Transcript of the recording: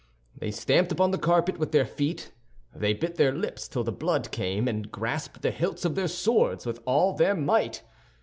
They stamped upon the carpet with their feet; they bit their lips till the blood came, and grasped the hilts of their swords with all their might.